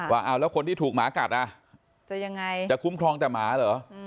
ว่าเอาแล้วคนที่ถูกหมากัดจะคุ้มครองแต่หมาเหรอ